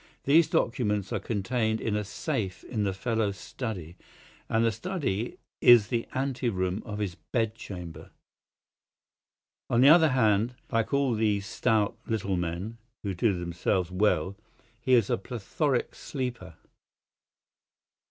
"These documents are contained in a safe in the fellow's study, and the study is the ante room of his bed chamber. On the other hand, like all these stout, little men who do themselves well, he is a plethoric sleeper.